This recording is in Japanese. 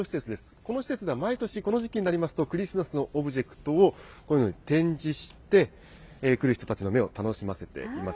この施設では、毎年この時期になりますと、クリスマスのオブジェをこういうふうに展示して、来る人たちの目を楽しませています。